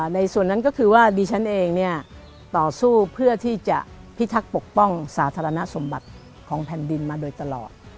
ในส่วนนั้นก็คือว่าดิฉันเองเนี่ยต่อสู้เพื่อที่จะพิทักษ์ปกป้องสาธารณสมบัติของแผ่นดินมาโดยตลอด